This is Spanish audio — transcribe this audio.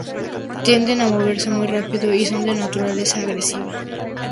Tienden a moverse muy rápido, y son de una naturaleza agresiva.